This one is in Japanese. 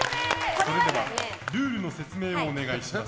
それではルールの説明をお願いします。